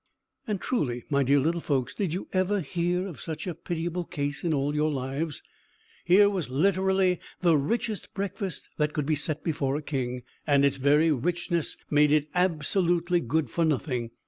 And, truly, my dear little folks, did you ever hear of such a pitiable case in all your lives? Here was literally the richest breakfast that could be set before a king, and its very richness made it absolutely good for nothing.